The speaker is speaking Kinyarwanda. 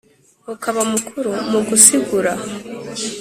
Ukaba mukuru mu gusigura